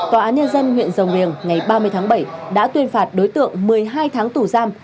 tòa án nhân dân huyện rồng riềng ngày ba mươi tháng bảy đã tuyên phạt đối tượng một mươi hai tháng tù giam